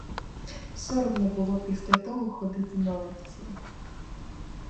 Соромно було після того ходити на лекції.